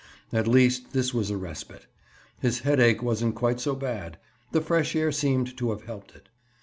At least, this was a respite. His headache wasn't quite so bad; the fresh air seemed to have helped it.